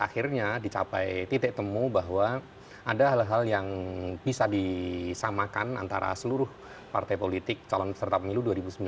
akhirnya dicapai titik temu bahwa ada hal hal yang bisa disamakan antara seluruh partai politik calon peserta pemilu dua ribu sembilan belas